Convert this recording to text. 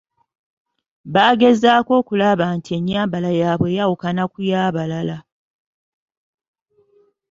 Bagezaako okulaba nti ennyambala eyaabwe eyawuka ku ya balala.